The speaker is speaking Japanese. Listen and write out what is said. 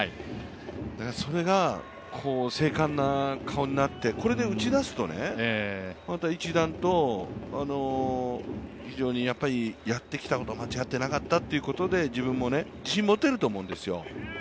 それが精悍な顔になってこれで打ち出すと、また一段とやって来たことは間違ってなかったということで自分も自信持てると思うんですよ。